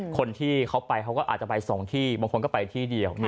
คนที่เขาไปเขาก็อาจจะไป๒ที่บางคนก็ไปที่เดียว